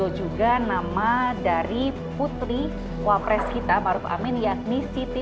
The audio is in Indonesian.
persaingan semakin ketat karena koalisi pdi pdi juga gerindra harus melawan kekuatan partai keadilan sejahtera